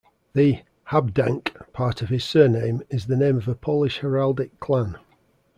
The "Habdank" part of his surname is the name of a Polish heraldic clan.